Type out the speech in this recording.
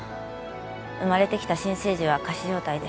生まれてきた新生児は仮死状態で。